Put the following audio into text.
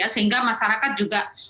sehingga masyarakat juga